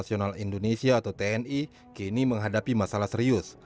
di usia lebih dari tujuh puluh tiga tahun tni menghadapi masalah serius